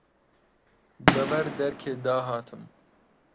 بە بەر دەرکێ دا هاتم